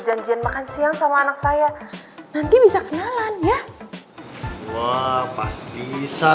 janjian makan siang sama anak saya nanti bisa kenalan ya wah pas bisa